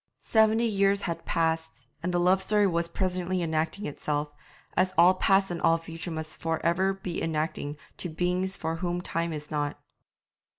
Seventy years had passed, and the love story was presently enacting itself, as all past and all future must for ever be enacting to beings for whom time is not.